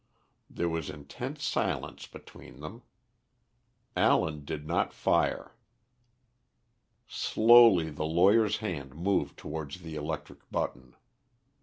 There was intense silence between them. Allen did not fire. Slowly the lawyer's hand moved towards the electric button.